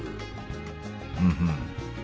うんうん。